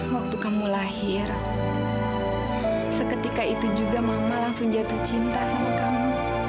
waktu kamu lahir seketika itu juga mama langsung jatuh cinta sama kamu